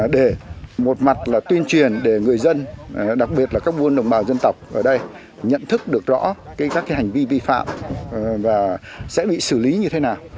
để một mặt là tuyên truyền để người dân đặc biệt là các vua đồng bào dân tộc ở đây nhận thức được rõ các hành vi vi phạm và sẽ bị xử lý như thế nào